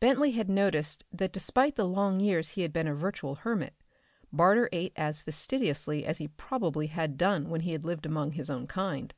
Bentley had noticed that despite the long years he had been a virtual hermit, Barter ate as fastidiously as he probably had done when he had lived among his own kind.